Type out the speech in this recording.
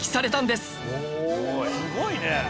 すごいね！